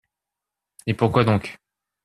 Et pourquoi donc ?